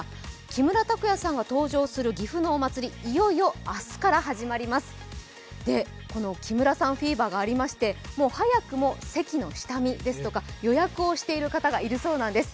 木村拓哉さんが登場する岐阜のお祭り、いよいよ明日から始まります木村さんフィーバーがありましてもう早くも席の下見ですとか予約をしている方がいるそうなんです。